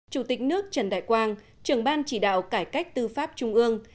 chủ tịch nước trần đại quang trưởng ban chỉ đạo cải cách tư pháp trung ương